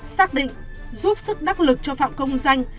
xác định giúp sức đắc lực cho phạm công danh